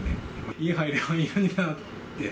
家入ればいいのになって。